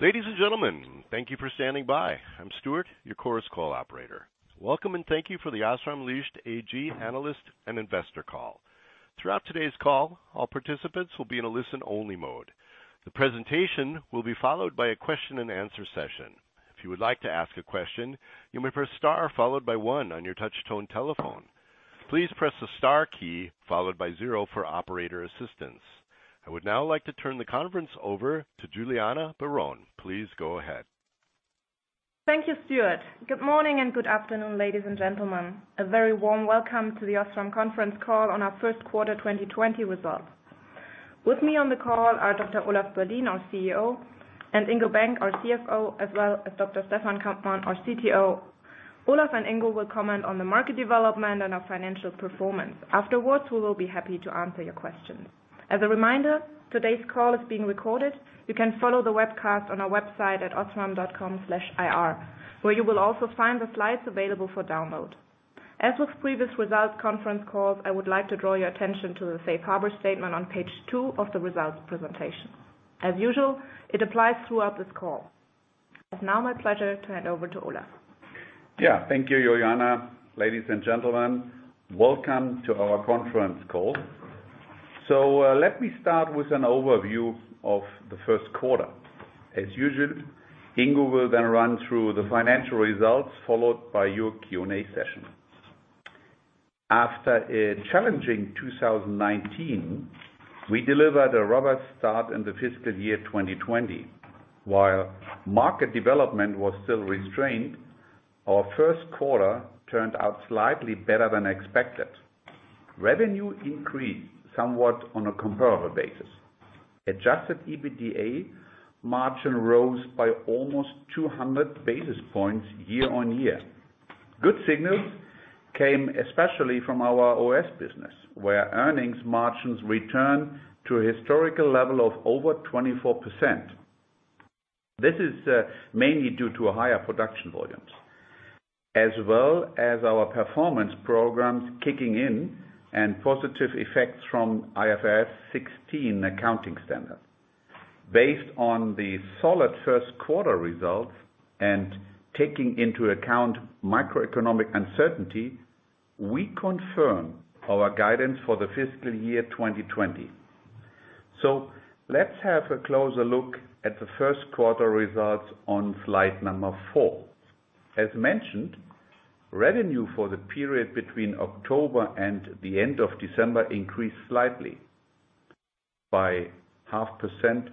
Ladies and gentlemen, thank you for standing by. I'm Stuart, your Chorus Call operator. Welcome, and thank you for the OSRAM Licht AG analyst and investor call. Throughout today's call, all participants will be in a listen-only mode. The presentation will be followed by a question and answer session. If you would like to ask a question, you may press star followed by one on your touch-tone telephone. Please press the star key followed by zero for operator assistance. I would now like to turn the conference over to Juliana Baron. Please go ahead. Thank you, Stuart. Good morning and good afternoon, ladies and gentlemen. A very warm welcome to the OSRAM conference call on our first quarter 2020 results. With me on the call are Dr. Olaf Berlien, our CEO, and Ingo Bank, our CFO, as well as Dr. Stefan Kampmann, our CTO. Olaf and Ingo will comment on the market development and our financial performance. Afterwards, we will be happy to answer your questions. As a reminder, today's call is being recorded. You can follow the webcast on our website at osram.com/ir, where you will also find the slides available for download. As with previous results conference calls, I would like to draw your attention to the safe harbor statement on page two of the results presentation. As usual, it applies throughout this call. It's now my pleasure to hand over to Olaf. Thank you, Juliana. Ladies and gentlemen, welcome to our conference call. Let me start with an overview of the first quarter. As usual, Ingo will run through the financial results, followed by your Q&A session. After a challenging 2019, we delivered a robust start in the fiscal year 2020. While market development was still restrained, our first quarter turned out slightly better than expected. Revenue increased somewhat on a comparable basis. Adjusted EBITDA margin rose by almost 200 basis points year-on-year. Good signals came especially from our OS business, where earnings margins returned to a historical level of over 24%. This is mainly due to higher production volumes, as well as our performance programs kicking in and positive effects from IFRS 16 accounting standard. Based on the solid first quarter results and taking into account microeconomic uncertainty, we confirm our guidance for the fiscal year 2020. Let's have a closer look at the first quarter results on slide number four. As mentioned, revenue for the period between October and the end of December increased slightly by half percent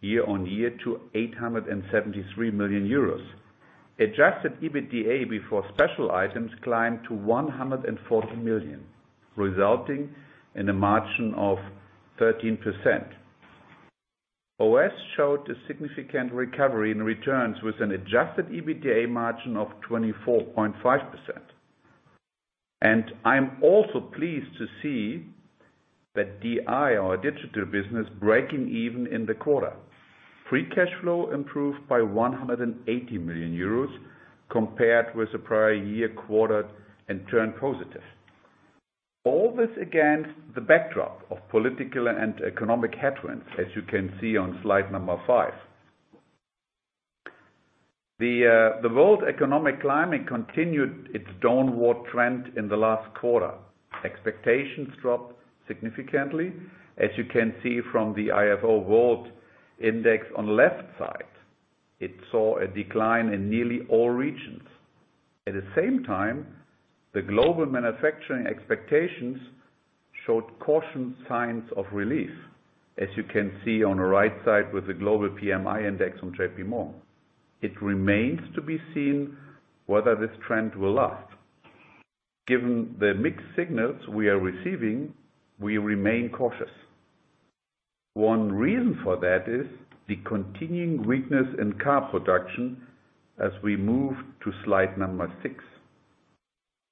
year-over-year to 873 million euros. Adjusted EBITDA before special items climbed to 114 million, resulting in a margin of 13%. OS showed a significant recovery in returns with an adjusted EBITDA margin of 24.5%. I'm also pleased to see that DI, our Digital business, breaking even in the quarter. Free cash flow improved by 180 million euros compared with the prior year quarter, and turned positive. All this against the backdrop of political and economic headwinds, as you can see on slide number five. The world economic climate continued its downward trend in the last quarter. Expectations dropped significantly. As you can see from the ifo World Index on the left side, it saw a decline in nearly all regions. At the same time, the global manufacturing expectations showed caution signs of relief, as you can see on the right side with the global PMI Index from JPMorgan. It remains to be seen whether this trend will last. Given the mixed signals we are receiving, we remain cautious. One reason for that is the continuing weakness in car production as we move to slide number six.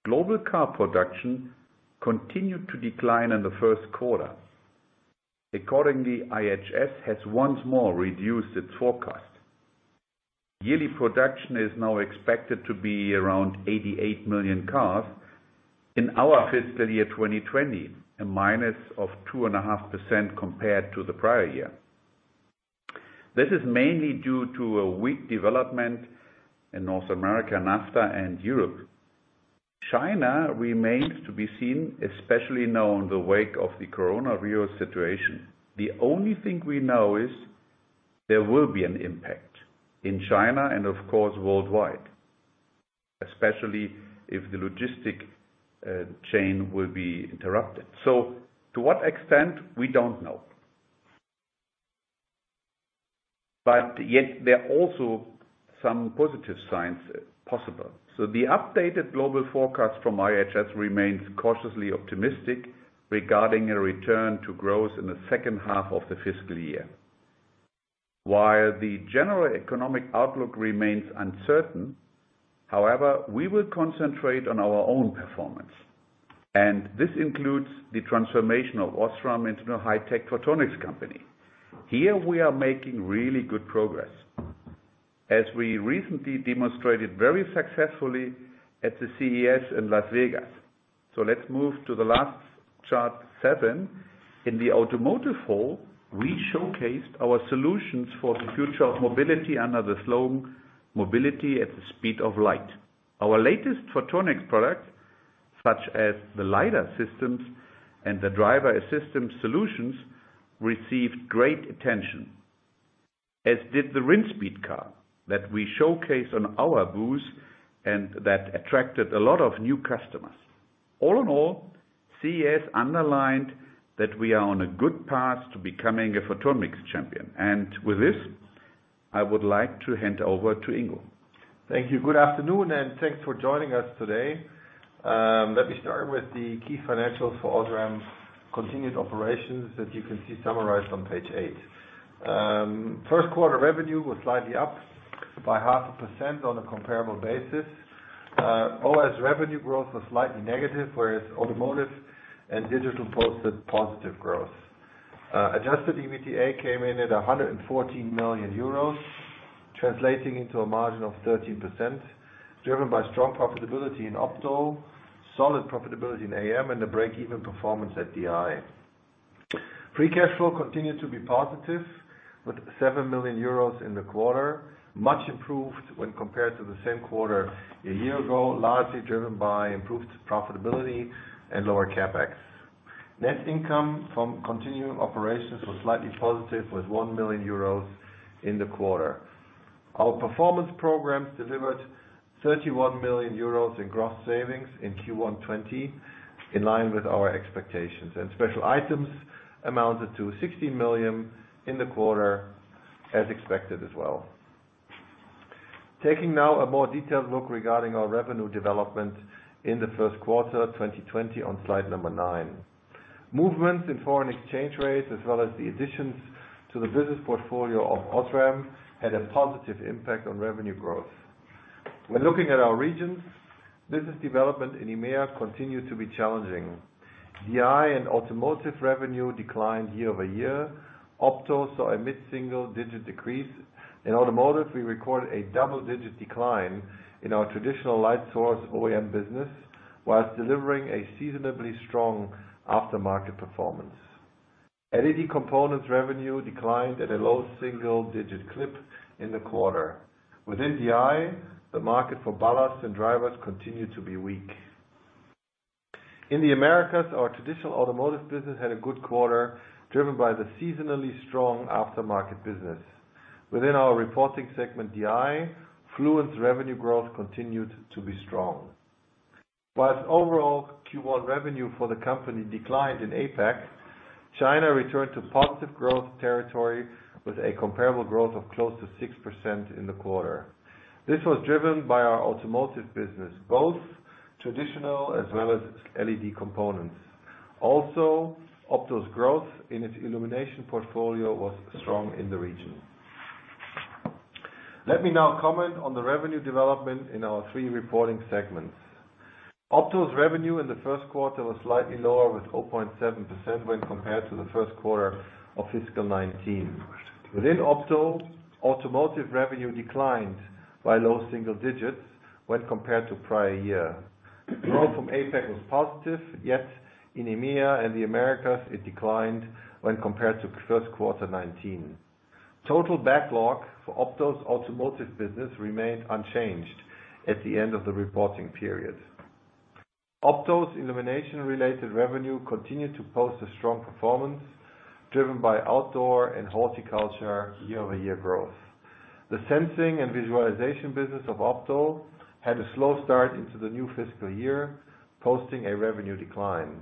Global car production continued to decline in the first quarter. Accordingly, IHS has once more reduced its forecast. Yearly production is now expected to be around 88 million cars in our fiscal year 2020, a minus of 2.5% compared to the prior year. This is mainly due to a weak development in North America, NAFTA, and Europe. China remains to be seen, especially now in the wake of the coronavirus situation. The only thing we know is there will be an impact in China and, of course, worldwide, especially if the logistic chain will be interrupted. To what extent, we don't know. Yet there are also some positive signs possible. The updated global forecast from IHS remains cautiously optimistic regarding a return to growth in the second half of the fiscal year. While the general economic outlook remains uncertain, however, we will concentrate on our own performance. This includes the transformation of OSRAM into a high-tech photonics company. Here we are making really good progress. As we recently demonstrated very successfully at the CES in Las Vegas. Let's move to the last chart seven. In the Automotive hall, we showcased our solutions for the future of mobility under the slogan, "Mobility at the speed of light." Our latest photonics products, such as the lidar systems and the driver assistance solutions, received great attention, as did the Rinspeed car that we showcase on our booth and that attracted a lot of new customers. All in all, CES underlined that we are on a good path to becoming a photonics champion. With this, I would like to hand over to Ingo. Thank you. Good afternoon and thanks for joining us today. Let me start with the key financials for OSRAM's continued operations that you can see summarized on page eight. First quarter revenue was slightly up by half a % on a comparable basis. OS revenue growth was slightly negative, whereas Automotive and Digital posted positive growth. Adjusted EBITDA came in at 114 million euros, translating into a margin of 13%, driven by strong profitability in Opto, solid profitability in Automotive, and a break-even performance at Digital. Free cash flow continued to be positive, with 7 million euros in the quarter, much improved when compared to the same quarter a year ago, largely driven by improved profitability and lower CapEx. Net income from continuing operations was slightly positive, with 1 million euros in the quarter. Our performance programs delivered 31 million euros in gross savings in Q1 2020, in line with our expectations. Special items amounted to 16 million in the quarter, as expected as well. Taking now a more detailed look regarding our revenue development in the first quarter 2020 on slide number nine. Movements in foreign exchange rates, as well as the additions to the business portfolio of OSRAM, had a positive impact on revenue growth. When looking at our regions, business development in EMEA continued to be challenging. DI and Automotive revenue declined year-over-year. Opto saw a mid-single-digit decrease. In Automotive, we recorded a double-digit decline in our traditional light source OEM business, whilst delivering a seasonally strong aftermarket performance. LED components revenue declined at a low-single-digit clip in the quarter. Within DI, the market for ballasts and drivers continued to be weak. In the Americas, our traditional Automotive business had a good quarter, driven by the seasonally strong aftermarket business. Within our reporting segment Digital, Fluence's revenue growth continued to be strong. While overall Q1 revenue for the company declined in APAC, China returned to positive growth territory with a comparable growth of close to 6% in the quarter. This was driven by our Automotive business, both traditional as well as LED components. Also, Opto's growth in its illumination portfolio was strong in the region. Let me now comment on the revenue development in our three reporting segments. Opto's revenue in the first quarter was slightly lower, with 0.7% when compared to the first quarter of fiscal 2019. Within Opto, Automotive revenue declined by low single digits when compared to prior year. Growth from APAC was positive, yet in EMEA and the Americas, it declined when compared to first quarter 2019. Total backlog for Opto's Automotive business remained unchanged at the end of the reporting period. Opto's illumination-related revenue continued to post a strong performance driven by outdoor and horticulture year-over-year growth. The sensing and visualization business of Opto had a slow start into the new fiscal year, posting a revenue decline.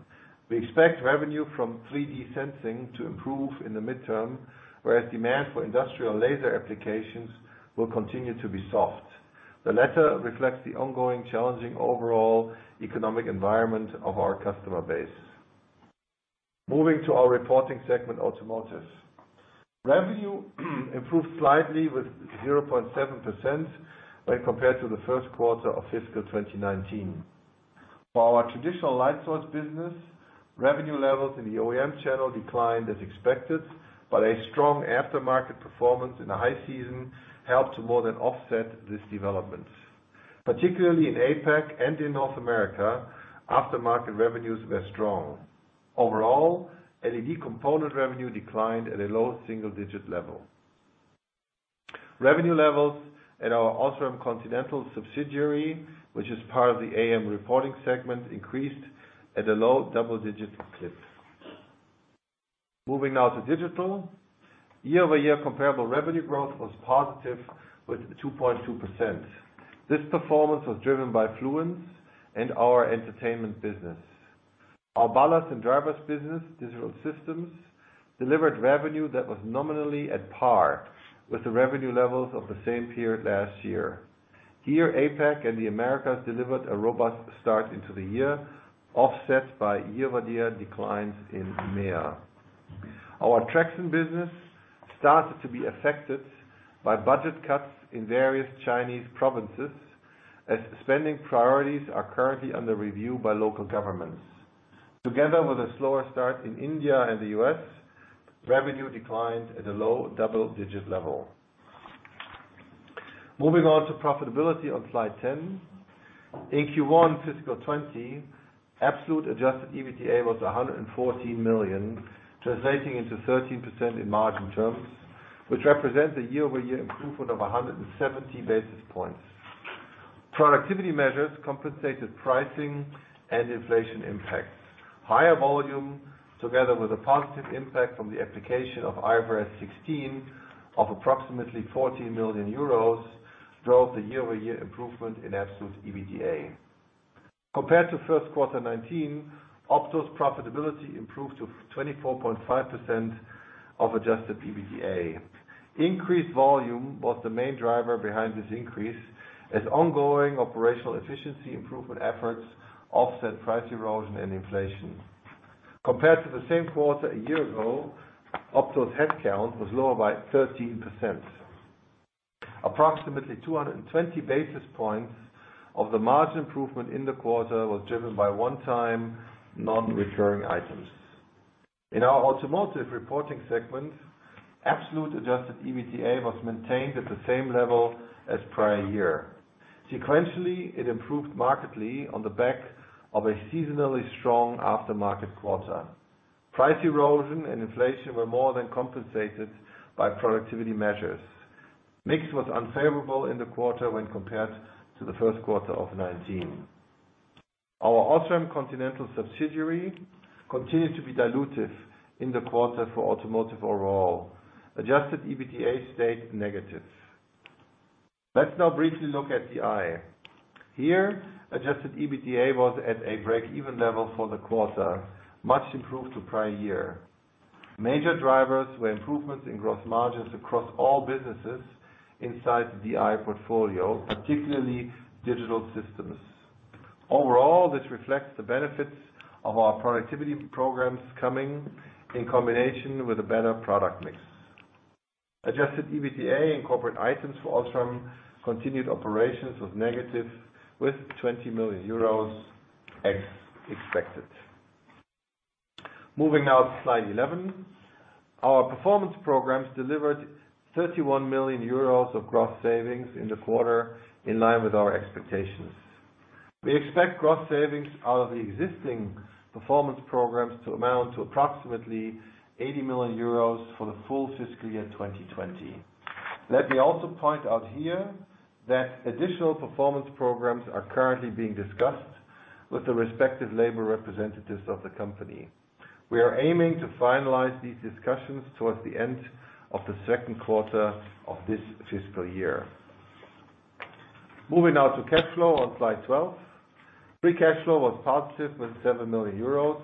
We expect revenue from 3D sensing to improve in the midterm, whereas demand for industrial laser applications will continue to be soft. The latter reflects the ongoing challenging overall economic environment of our customer base. Moving to our reporting segment, Automotive. Revenue improved slightly with 0.7% when compared to the first quarter of fiscal 2019. For our traditional light source business, revenue levels in the OEM channel declined as expected, but a strong aftermarket performance in the high season helped more than offset this development. Particularly in APAC and in North America, aftermarket revenues were strong. Overall, LED component revenue declined at a low single-digit level. Revenue levels at our Osram Continental subsidiary, which is part of the AM reporting segment, increased at a low double-digit clip. Moving now to Digital. Year-over-year comparable revenue growth was positive with 2.2%. This performance was driven by Fluence and our entertainment business. Our ballasts and drivers business, Digital Systems, delivered revenue that was nominally at par with the revenue levels of the same period last year. Here, APAC and the Americas delivered a robust start into the year, offset by year-over-year declines in EMEA. Our traction business started to be affected by budget cuts in various Chinese provinces, as spending priorities are currently under review by local governments. Together with a slower start in India and the U.S., revenue declined at a low double-digit level. Moving on to profitability on slide 10. In Q1 fiscal 2020, absolute adjusted EBITDA was 114 million, translating into 13% in margin terms, which represents a year-over-year improvement of 170 basis points. Productivity measures compensated pricing and inflation impacts. Higher volume, together with a positive impact from the application of IFRS 16 of approximately 40 million euros, drove the year-over-year improvement in absolute EBITDA. Compared to first quarter 2019, Opto's profitability improved to 24.5% of adjusted EBITDA. Increased volume was the main driver behind this increase, as ongoing operational efficiency improvement efforts offset price erosion and inflation. Compared to the same quarter a year ago, Opto's headcount was lower by 13%. Approximately 220 basis points of the margin improvement in the quarter was driven by one-time, non-recurring items. In our Automotive reporting segment, absolute adjusted EBITDA was maintained at the same level as prior year. Sequentially, it improved markedly on the back of a seasonally strong aftermarket quarter. Price erosion and inflation were more than compensated by productivity measures. Mix was unfavorable in the quarter when compared to the first quarter of 2019. Our Osram Continental subsidiary continued to be dilutive in the quarter for Automotive overall. Adjusted EBITDA stayed negative. Let's now briefly look at DI. Here, adjusted EBITDA was at a break-even level for the quarter, much improved to prior year. Major drivers were improvements in gross margins across all businesses inside DI portfolio, particularly Digital Systems. Overall, this reflects the benefits of our productivity programs coming in combination with a better product mix. Adjusted EBITDA and corporate items for OSRAM continued operations was negative with 20 million euros, as expected. Moving now to slide 11. Our performance programs delivered 31 million euros of gross savings in the quarter, in line with our expectations. We expect gross savings out of the existing performance programs to amount to approximately 80 million euros for the full fiscal year 2020. Let me also point out here that additional performance programs are currently being discussed with the respective labor representatives of the company. We are aiming to finalize these discussions towards the end of the second quarter of this fiscal year. Moving now to cash flow on slide 12. Free cash flow was positive with 7 million euros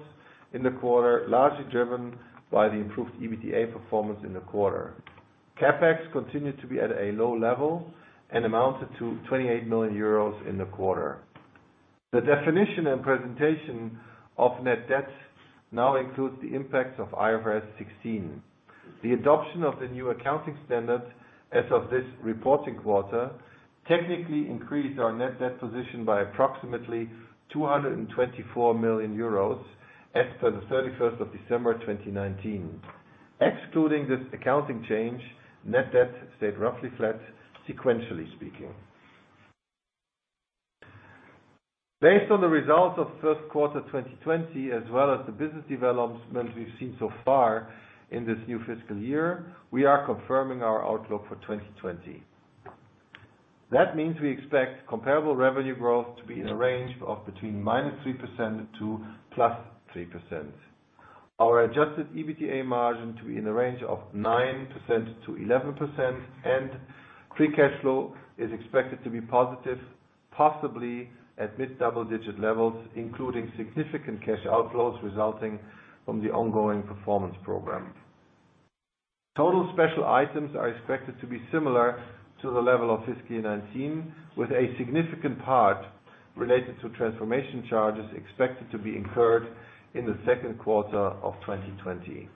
in the quarter, largely driven by the improved EBITDA performance in the quarter. CapEx continued to be at a low level and amounted to 28 million euros in the quarter. The definition and presentation of net debt now includes the impact of IFRS 16. The adoption of the new accounting standard as of this reporting quarter technically increased our net debt position by approximately 224 million euros as per the 31st of December 2019. Excluding this accounting change, net debt stayed roughly flat sequentially speaking. Based on the results of first quarter 2020 as well as the business development we've seen so far in this new fiscal year, we are confirming our outlook for 2020. That means we expect comparable revenue growth to be in a range of between -3% to +3%. Our adjusted EBITDA margin to be in the range of 9% to 11%, and free cash flow is expected to be positive, possibly at mid-double-digit levels, including significant cash outflows resulting from the ongoing performance program. Total special items are expected to be similar to the level of fiscal year 2019, with a significant part related to transformation charges expected to be incurred in the second quarter of 2020.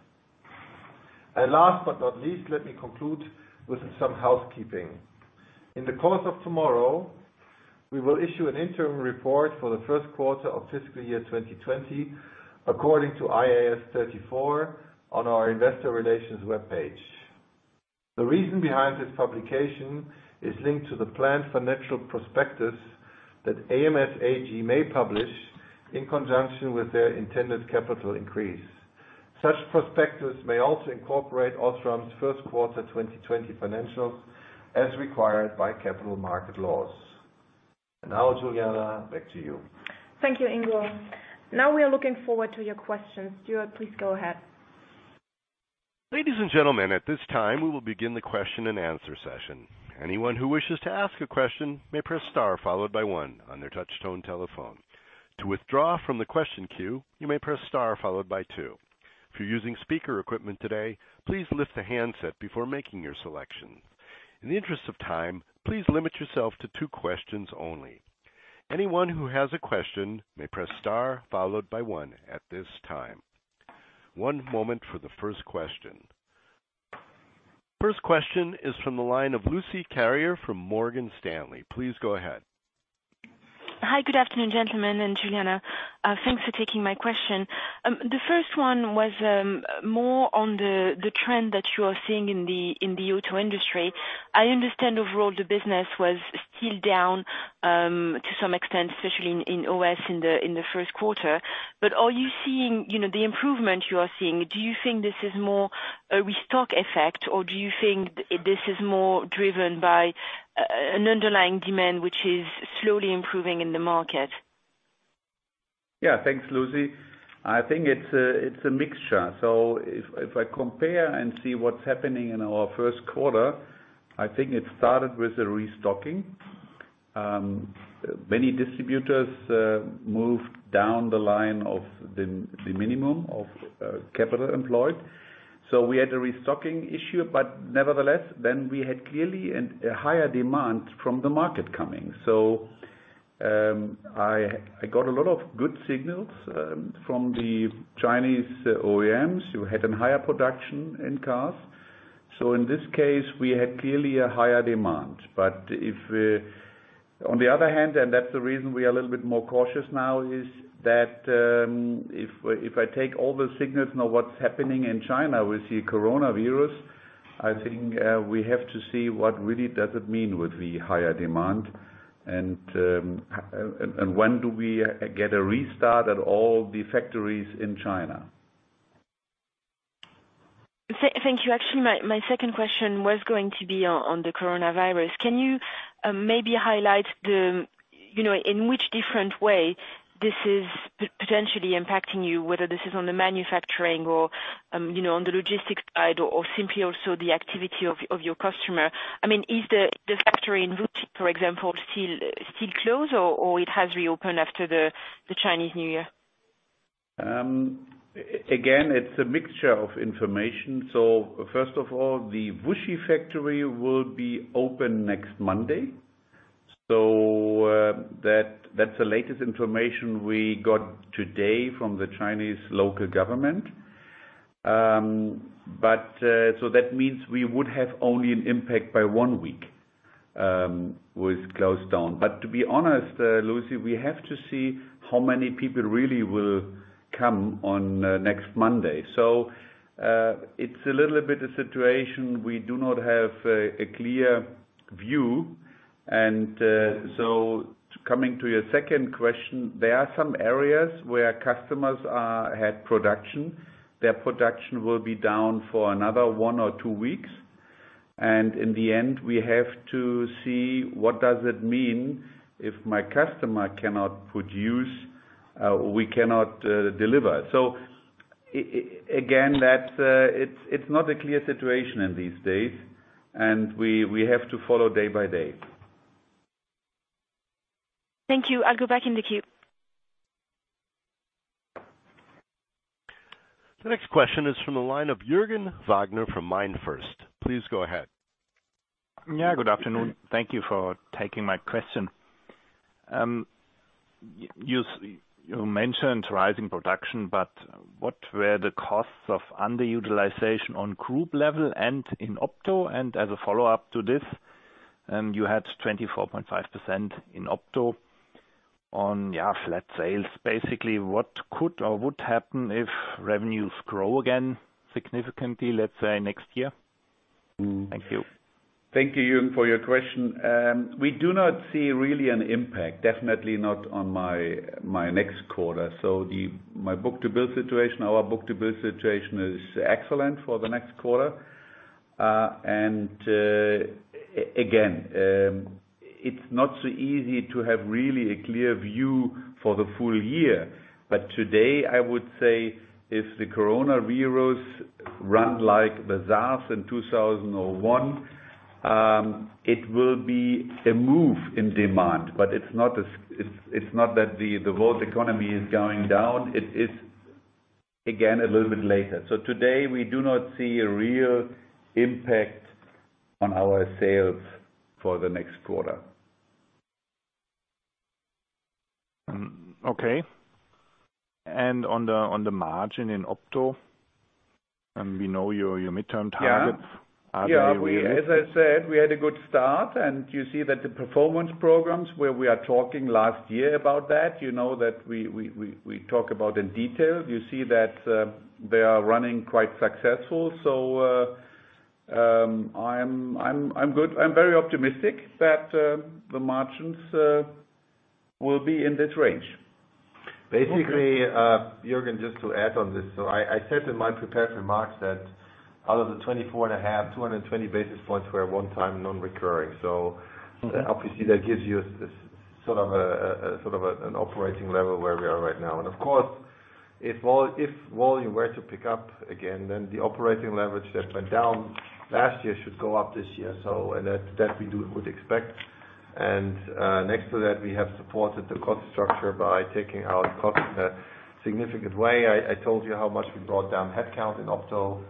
Last but not least, let me conclude with some housekeeping. In the course of tomorrow, we will issue an interim report for the first quarter of fiscal year 2020, according to IAS 34, on our investor relations webpage. The reason behind this publication is linked to the planned financial prospectus that ams AG may publish in conjunction with their intended capital increase. Such prospectus may also incorporate OSRAM's first quarter 2020 financials as required by capital market laws. Now, Juliana, back to you. Thank you, Ingo. Now we are looking forward to your questions. Stuart, please go ahead. Ladies and gentlemen, at this time, we will begin the question-and-answer session. Anyone who wishes to ask a question may press star followed by one on their touch-tone telephone. To withdraw from the question queue, you may press star followed by two. If you're using speaker equipment today, please lift the handset before making your selection. In the interest of time, please limit yourself to two questions only. Anyone who has a question may press star followed by one at this time. One moment for the first question. First question is from the line of Lucie Carrier from Morgan Stanley. Please go ahead. Hi. Good afternoon, gentlemen and Juliana. Thanks for taking my question. The first one was more on the trend that you are seeing in the auto industry. I understand overall the business was still down to some extent, especially in OS in the first quarter. The improvement you are seeing, do you think this is more a restock effect, or do you think this is more driven by an underlying demand which is slowly improving in the market? Thanks, Lucie. I think it's a mixture. If I compare and see what's happening in our first quarter, I think it started with a restocking. Many distributors moved down the line of the minimum of capital employed. We had a restocking issue. Nevertheless, we had clearly a higher demand from the market coming. I got a lot of good signals from the Chinese OEMs who had a higher production in cars. In this case, we had clearly a higher demand. On the other hand, and that's the reason we are a little bit more cautious now, is that if I take all the signals now what's happening in China with the coronavirus, I think we have to see what really does it mean with the higher demand and when do we get a restart at all the factories in China. Thank you. Actually, my second question was going to be on the coronavirus. Can you maybe highlight in which different way this is potentially impacting you, whether this is on the manufacturing or on the logistics side or simply also the activity of your customer? Is the factory in Wuxi, for example, still closed or it has reopened after the Chinese New Year? Again, it's a mixture of information. First of all, the Wuxi factory will be open next Monday. That's the latest information we got today from the Chinese local government. That means we would have only an impact by one week with closed down. To be honest, Lucie, we have to see how many people really will come on next Monday. It's a little bit of situation. We do not have a clear view. Coming to your second question, there are some areas where customers had production. Their production will be down for another one or two weeks. In the end, we have to see what does it mean if my customer cannot produce, we cannot deliver. Again, it's not a clear situation in these days, and we have to follow day by day. Thank you. I'll go back in the queue. The next question is from the line of Jürgen Wagner from MainFirst. Please go ahead. Yeah, good afternoon. Thank you for taking my question. You mentioned rising production, what were the costs of underutilization on group level and in Opto? As a follow-up to this, you had 24.5% in Opto on flat sales, basically. What could or would happen if revenues grow again significantly, let's say next year? Thank you. Thank you, Jürgen, for your question. We do not see really an impact, definitely not on my next quarter. Our book-to-build situation is excellent for the next quarter. Again, it's not so easy to have really a clear view for the full year. Today, I would say if the coronavirus run like the SARS in 2001, it will be a move in demand. It's not that the world economy is going down. It is, again, a little bit later. Today, we do not see a real impact on our sales for the next quarter. Okay. On the margin in Opto, and we know your midterm targets. Are they really? As I said, we had a good start, and you see that the performance programs where we are talking last year about that, you know that we talk about in detail. You see that they are running quite successful. I'm very optimistic that the margins will be in this range. Jürgen, just to add on this. I said in my prepared remarks that out of the 24.5%, 220 basis points were one time non-recurring. Obviously, that gives you sort of an operating level where we are right now. Of course, if volume were to pick up again, the operating leverage that went down last year should go up this year. That we would expect. Next to that, we have supported the cost structure by taking out costs in a significant way. I told you how much we brought down headcount in Opto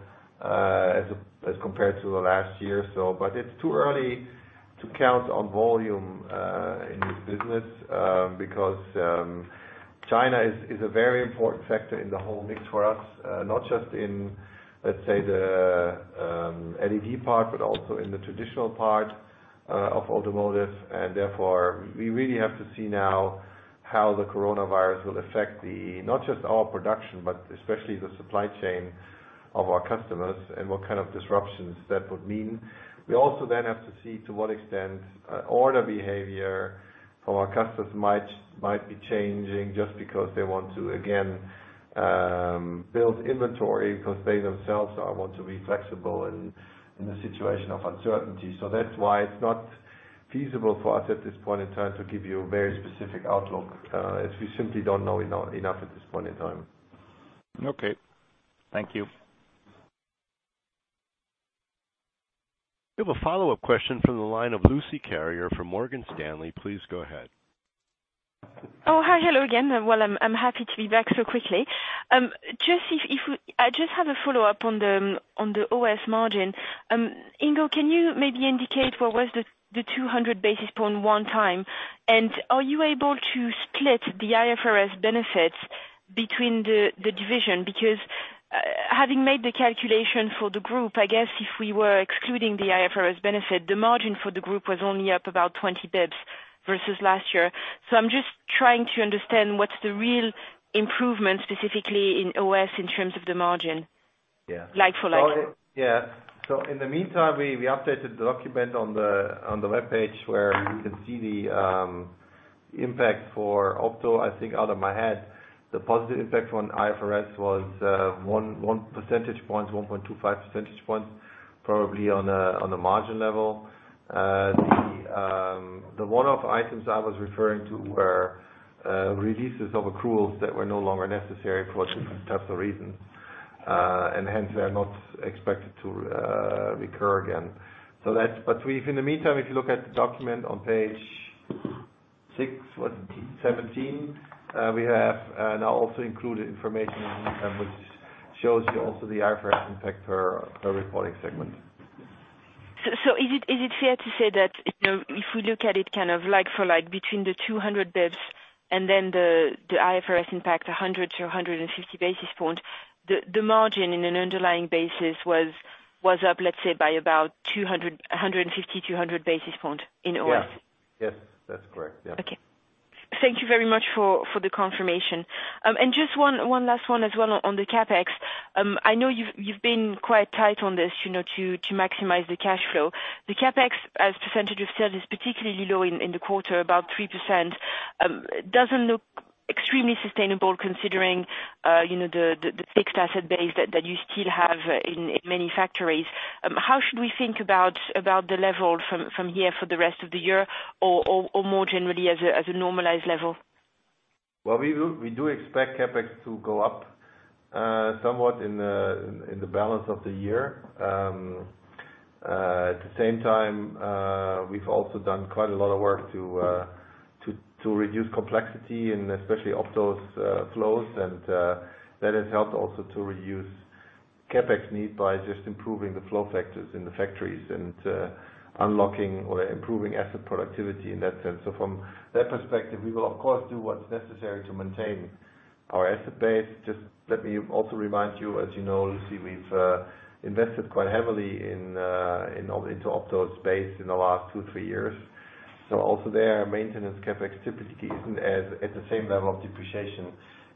as compared to the last year. It's too early to count on volume in this business because China is a very important factor in the whole mix for us. Not just in, let's say, the LED part, but also in the traditional part of Automotive. Therefore, we really have to see now how the coronavirus will affect not just our production, but especially the supply chain of our customers and what kind of disruptions that would mean. We also then have to see to what extent order behavior from our customers might be changing just because they want to, again, build inventory because they themselves want to be flexible in a situation of uncertainty. That's why it's not feasible for us at this point in time to give you a very specific outlook, as we simply don't know enough at this point in time. Okay. Thank you. We have a follow-up question from the line of Lucie Carrier from Morgan Stanley. Please go ahead. Oh, hi. Hello again. Well, I'm happy to be back so quickly. I just have a follow-up on the OS margin. Ingo, can you maybe indicate what was the 200 basis point one time? Are you able to split the IFRS benefits between the division? Having made the calculation for the group, I guess if we were excluding the IFRS benefit, the margin for the group was only up about 20 basis points versus last year. I'm just trying to understand what's the real improvement specifically in OS in terms of the margin. Like for like. Yeah. In the meantime, we updated the document on the webpage where you can see the impact for Opto. I think out of my head, the positive impact from IFRS was one percentage point, 1.25 percentage points, probably on a margin level. The one-off items I was referring to were releases of accruals that were no longer necessary for statistical reasons, and hence they are not expected to recur again. In the meantime, if you look at the document on page 17, we have now also included information which shows you also the IFRS impact per reporting segment. Is it fair to say that, if we look at it like for like between the 200 basis points and then the IFRS impact, 100 to 150 basis points, the margin in an underlying basis was up, let's say, by about 150, 200 basis points in OS? Yes. That's correct. Yeah. Okay. Thank you very much for the confirmation. Just one last one as well on the CapEx. I know you've been quite tight on this to maximize the cash flow. The CapEx as a percentage of sales is particularly low in the quarter, about 3%. It doesn't look extremely sustainable considering the fixed asset base that you still have in many factories. How should we think about the level from here for the rest of the year or more generally as a normalized level? Well, we do expect CapEx to go up somewhat in the balance of the year. At the same time, we've also done quite a lot of work to reduce complexity and especially Opto's flows. That has helped also to reduce CapEx need by just improving the flow factors in the factories and unlocking or improving asset productivity in that sense. From that perspective, we will of course, do what's necessary to maintain our asset base. Just let me also remind you, as you know, Lucie, we've invested quite heavily into Opto's base in the last two, three years. Also there, maintenance CapEx typically isn't at the same level of depreciation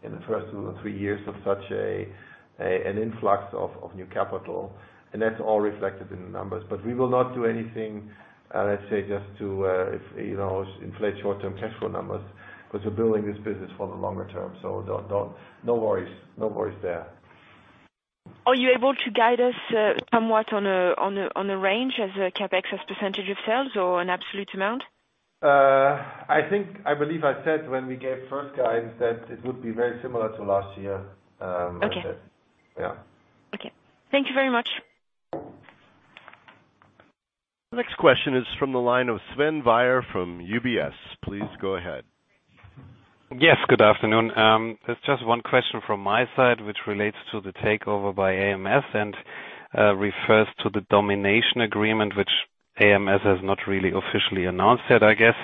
in the first two or three years of such an influx of new capital. That's all reflected in the numbers. We will not do anything, let's say, just to inflate short-term cash flow numbers, because we're building this business for the longer term. No worries there. Are you able to guide us somewhat on a range as a CapEx as a percentage of sales or an absolute amount? I think, I believe I said when we gave first guidance that it would be very similar to last year. Okay. Yeah. Okay. Thank you very much. The next question is from the line of Sven Weier from UBS. Please go ahead. Yes, good afternoon. There's just one question from my side which relates to the takeover by ams and refers to the domination agreement which ams has not really officially announced yet, I guess.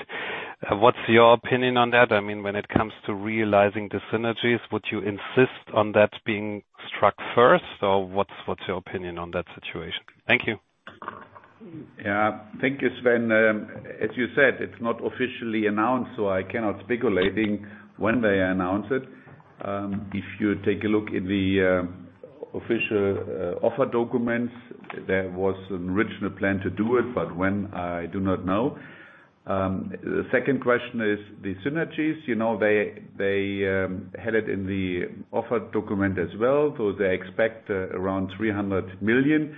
What's your opinion on that? When it comes to realizing the synergies, would you insist on that being struck first? What's your opinion on that situation? Thank you. Thank you, Sven. As you said, it's not officially announced, I cannot speculating when they announce it. If you take a look in the official offer documents, there was an original plan to do it, when, I do not know. The second question is the synergies. They had it in the offer document as well. They expect around $300 million.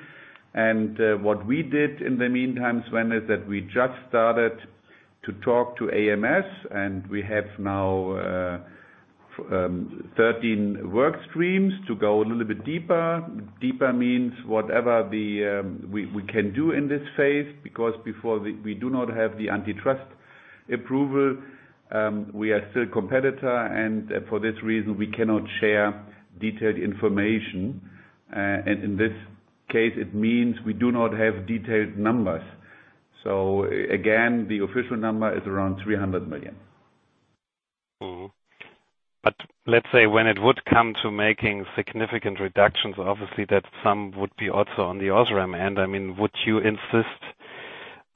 What we did in the meantime, Sven, is that we just started to talk to ams, and we have now 13 work streams to go a little bit deeper. Deeper means whatever we can do in this phase, because before we do not have the antitrust approval, we are still competitor, for this reason, we cannot share detailed information. In this case, it means we do not have detailed numbers. Again, the official number is around 300 million. Let's say when it would come to making significant reductions, obviously that sum would be also on the OSRAM end. Would you insist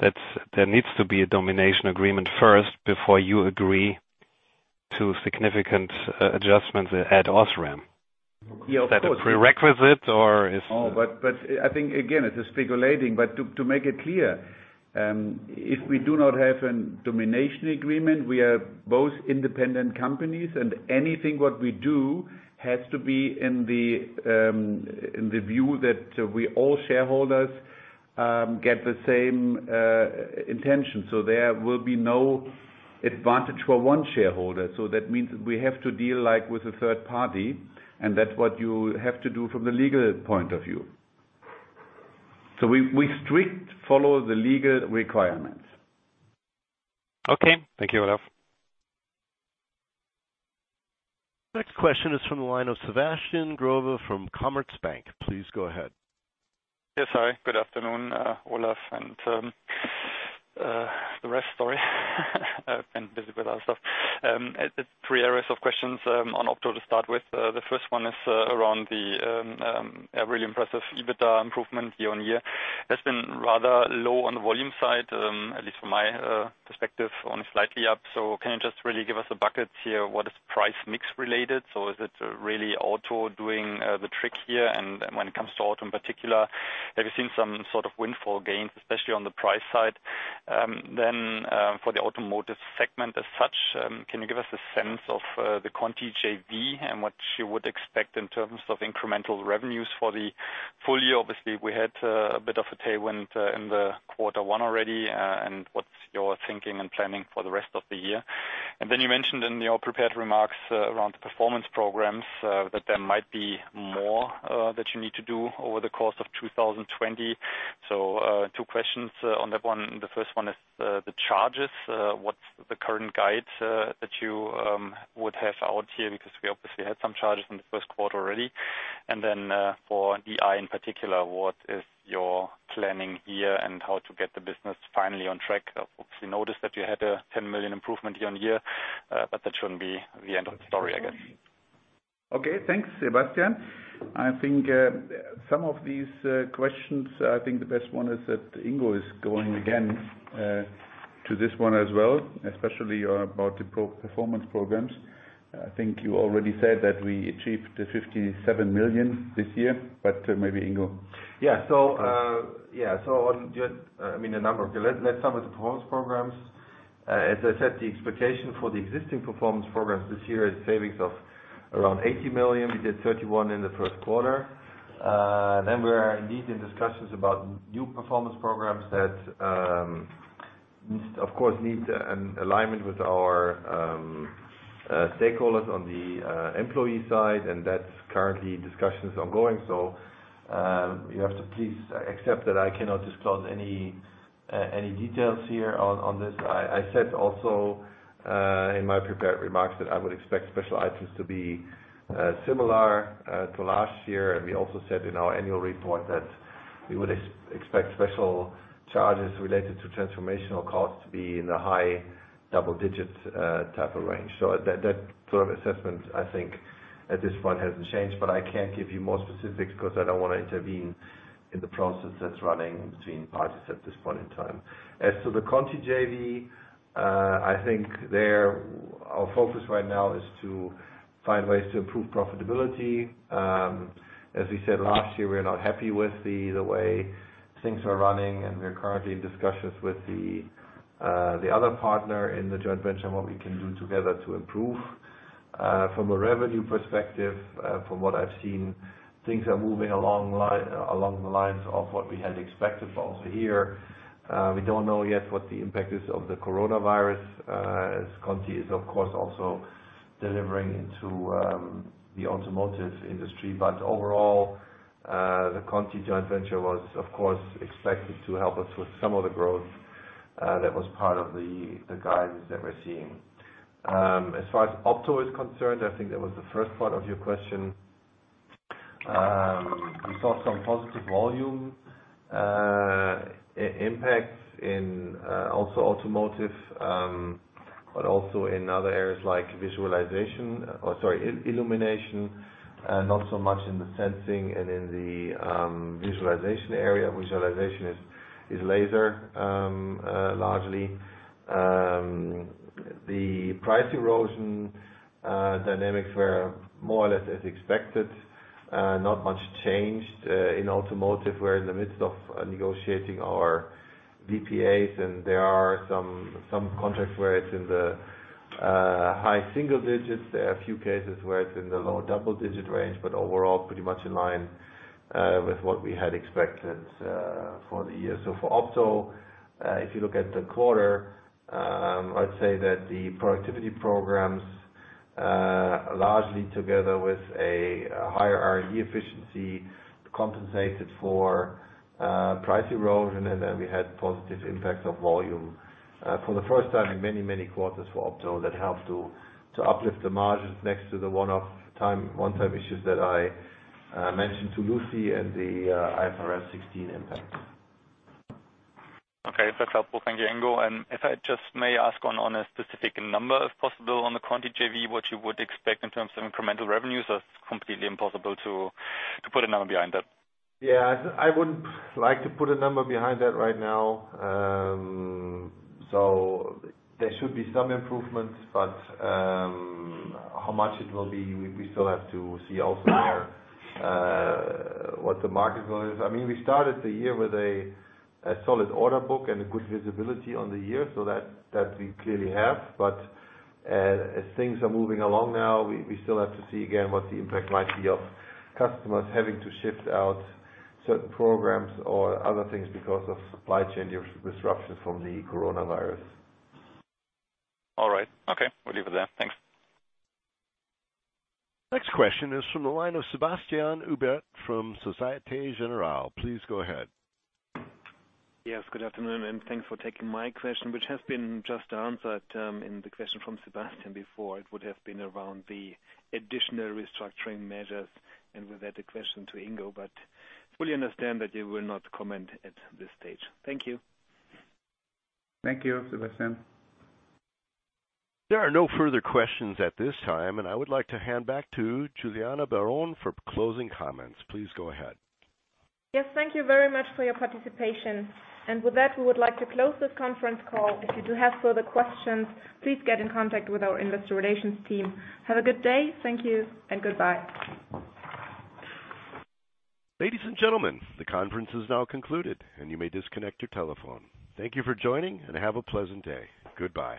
that there needs to be a domination agreement first before you agree to significant adjustments at OSRAM? Yeah, of course. Is that a prerequisite or? I think, again, it's speculating. To make it clear, if we do not have a domination agreement, we are both independent companies and anything what we do has to be in the view that we, all shareholders, get the same intention. There will be no advantage for one shareholder. That means we have to deal like with a third party, and that's what you have to do from the legal point of view. We strict follow the legal requirements. Okay. Thank you, Olaf. Next question is from the line of Sebastian Growe from Commerzbank. Please go ahead. Yes. Hi, good afternoon, Olaf and the rest of story. I've been busy with other stuff. Three areas of questions on Opto to start with. The first one is around the really impressive EBITDA improvement year-on-year. It's been rather low on the volume side, at least from my perspective, only slightly up. Can you just really give us the buckets here? What is price mix related? Is it really Automotive doing the trick here? When it comes to Automotive in particular, have you seen some sort of windfall gains, especially on the price side? For the Automotive segment as such, can you give us a sense of the Conti JV and what you would expect in terms of incremental revenues for the full year? Obviously, we had a bit of a tailwind in the quarter one already. What's your thinking and planning for the rest of the year? You mentioned in your prepared remarks around the performance programs that there might be more that you need to do over the course of 2020. Two questions on that one. The first one is the charges. What's the current guide that you would have out here? We obviously had some charges in the first quarter already. For DI in particular, what is your planning here and how to get the business finally on track? Obviously, noticed that you had a 10 million improvement year-on-year. That shouldn't be the end of the story, I guess. Okay. Thanks, Sebastian. I think some of these questions, the best one is that Ingo is going again to this one as well, especially about the performance programs. I think you already said that we achieved the 57 million this year. Maybe Ingo. Let's start with the performance programs. As I said, the expectation for the existing performance programs this year is savings of around 80 million. We did 31 in the first quarter. We are indeed in discussions about new performance programs that of course need an alignment with our stakeholders on the employee side, and that currently discussion is ongoing. You have to please accept that I cannot disclose any details here on this. I said also in my prepared remarks that I would expect special items to be similar to last year. We also said in our annual report that we would expect special charges related to transformational costs to be in the high double-digit type of range. That sort of assessment, I think at this point hasn't changed, but I can't give you more specifics because I don't want to intervene in the process that's running between parties at this point in time. As to the Conti JV, I think there our focus right now is to find ways to improve profitability. As we said last year, we're not happy with the way things are running, and we're currently in discussions with the other partner in the joint venture on what we can do together to improve. From a revenue perspective, from what I've seen, things are moving along the lines of what we had expected for also here. We don't know yet what the impact is of the coronavirus, as Conti is of course also delivering into the automotive industry. Overall, the Conti joint venture was of course expected to help us with some of the growth that was part of the guidance that we're seeing. As far as Opto is concerned, I think that was the first part of your question. We saw some positive volume impacts in also Automotive, but also in other areas like illumination, and not so much in the sensing and in the visualization area. Visualization is laser, largely. The price erosion dynamics were more or less as expected. Not much changed in Automotive. We're in the midst of negotiating our BPAs and there are some contracts where it's in the high single digits. There are a few cases where it's in the low double digit range, but overall pretty much in line with what we had expected for the year. For Opto, if you look at the quarter, I'd say that the productivity programs, largely together with a higher R&D efficiency, compensated for price erosion, and then we had positive impacts of volume. For the first time in many quarters for Opto that helped to uplift the margins next to the one-time issues that I mentioned to Lucie and the IFRS 16 impact. Okay. That's helpful. Thank you, Ingo. If I just may ask on a specific number, if possible, on the Conti JV, what you would expect in terms of incremental revenues or it's completely impossible to put a number behind that? Yeah. I wouldn't like to put a number behind that right now. There should be some improvements, but how much it will be, we still have to see also there, what the market value is. We started the year with a solid order book and a good visibility on the year, so that we clearly have. As things are moving along now, we still have to see again what the impact might be of customers having to shift out certain programs or other things because of supply chain disruptions from the coronavirus. All right. Okay. We'll leave it there. Thanks. Next question is from the line of Sebastian Ubert from Société Générale. Please go ahead. Yes, good afternoon, and thanks for taking my question, which has been just answered in the question from Sebastian before. It would have been around the additional restructuring measures and with that, the question to Ingo, but fully understand that you will not comment at this stage. Thank you. Thank you, Sebastian. There are no further questions at this time, and I would like to hand back to Juliana Baron for closing comments. Please go ahead. Yes. Thank you very much for your participation. With that, we would like to close this conference call. If you do have further questions, please get in contact with our investor relations team. Have a good day. Thank you and goodbye. Ladies and gentlemen, the conference is now concluded, and you may disconnect your telephone. Thank you for joining and have a pleasant day. Goodbye.